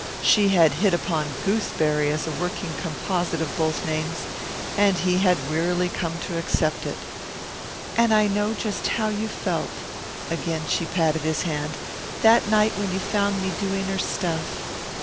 She had hit upon Gooseberry as a working composite of both names, and he had wearily come to accept it "and I know just how you felt" Again she patted his hand "that night when you found me doing her stuff."